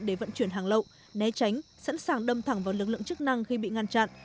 để vận chuyển hàng lậu né tránh sẵn sàng đâm thẳng vào lực lượng chức năng khi bị ngăn chặn